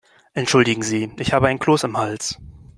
Entschuldigen Sie, ich habe einen Kloß im Hals.